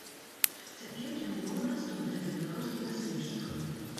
Цяпер яны маладаступныя для беларускіх даследчыкаў.